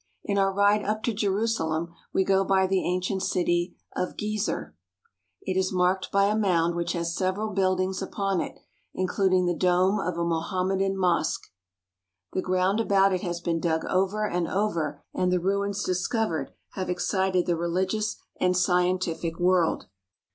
In our ride up to Jerusalem we go by the ancient city of Gezer. It is marked by a mound which has several buildings upon it, including the dome of a Mohammedan mosque. The ground about it has been dug over and over, and the ruins discovered have excited the religious and scientific world.